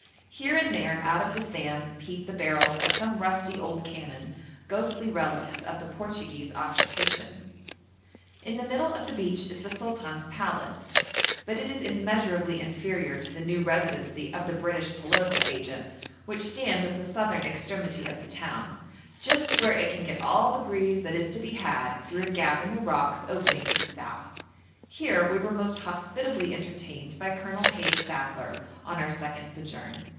Here and there out of the sand peep the barrels of some rusty old cannon, ghostly relics of the Portuguese occupation. In the middle of the beach is the sultan's palace, but it is immeasurably inferior to the new residency of the British political agent, which stands at the southern extremity of the town, just where it can get all the breeze that is to be had through a gap in the rocks opening to the south; here we were most hospitably entertained by Colonel Hayes Sadler on our second sojourn.